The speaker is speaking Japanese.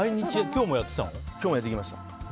今日もやってきました。